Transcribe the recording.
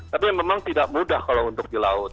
tapi memang tidak mudah kalau untuk di laut